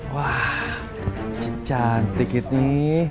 wah cantik ini